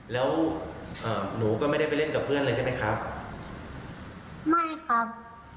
แล้วเอ่อหนูก็ไม่ได้ไปเล่นกับเพื่อนเลยใช่ไหมครับไม่ครับ